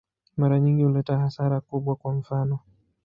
Mara nyingi huleta hasara kubwa, kwa mfano.